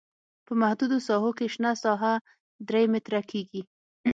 په محدودو ساحو کې شنه ساحه درې متره کیږي